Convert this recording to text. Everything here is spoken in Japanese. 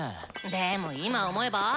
でも今思えば？